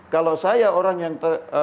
kalau saya orang yang